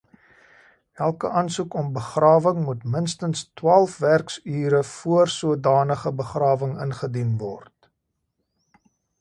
Elke aansoek om begrawing moet minstens twaalf werksure voor sodanige begrawing ingedien word.